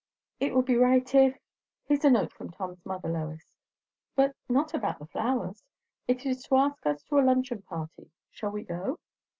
"It would be right, if . Here's a note from Tom's mother, Lois but not about the flowers. It is to ask us to a luncheon party. Shall we go?"